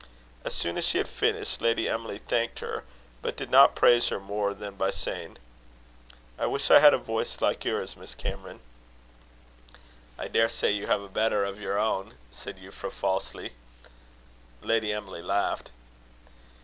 As soon as she had finished, Lady Emily thanked her, but did not praise her more than by saying: "I wish I had a voice like yours, Miss Cameron." "I daresay you have a better of your own," said Euphra, falsely. Lady Emily laughed.